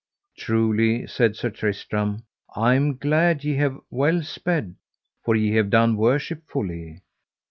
Truly, said Sir Tristram, I am glad ye have well sped, for ye have done worshipfully.